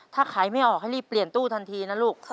ถ้าขายไม่ออกให้รีบเปลี่ยนตู้ทันทีนะลูก